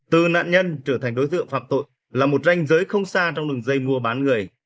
từ nạn nhân trở thành đối tượng phạm tội là một ranh giới không xa trong đường dây mua bán người